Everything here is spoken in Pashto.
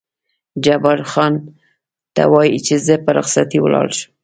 جبار خان: ته وایې چې زه په رخصتۍ ولاړ شم؟